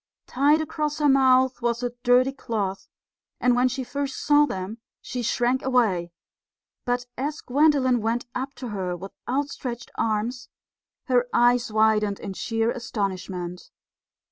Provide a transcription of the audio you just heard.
Tied across her mouth was a dirty cloth, and when she first saw them she shrank away; but as Gwendolen went up to her with outstretched arms, her eyes widened in sheer astonishment.